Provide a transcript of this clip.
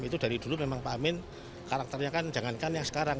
itu dari dulu memang pak amin karakternya kan jangankan yang sekarang